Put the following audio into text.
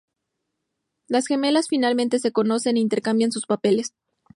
Las gemelas finalmente se conocen e intercambian sus papeles.